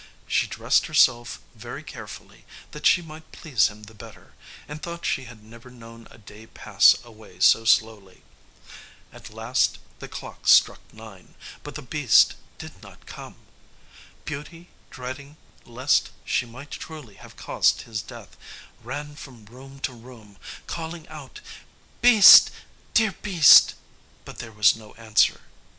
She dressed herself very carefully, that she might please him the better, and thought she had never known a day pass away so slowly. At last the clock struck nine, but the beast did not come. Beauty, dreading lest she might truly have caused his death, ran from room to room, calling out, "Beast, dear beast!" but there was no answer.